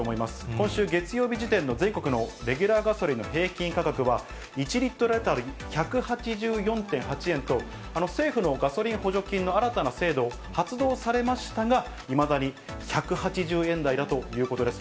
今週月曜日時点の全国のレギュラーガソリンの平均価格は、１リットル当たり１８４．８円と、政府のガソリン補助金の新たな制度、発動されましたが、いまだに１８０円台だということです。